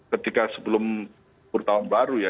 ketika sebelum purtaun baru ya